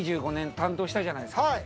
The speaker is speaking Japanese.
２５年、担当したじゃないですか。